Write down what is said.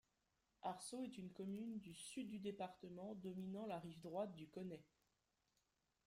Harsault est une commune du sud du département, dominant la rive droite du Côney.